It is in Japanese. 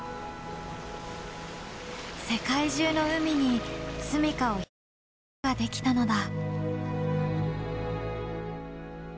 世界中の海に住みかを広げることができたのだ。